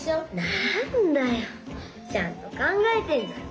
なんだよちゃんとかんがえてんじゃん！